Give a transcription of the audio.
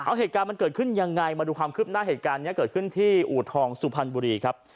เอาเหตุการณ์มันเกิดขึ้นยังไงมาดูความคืบหน้าเหตุการณ์นี้เกิดขึ้นที่อูทองสุพรรณบุรีครับ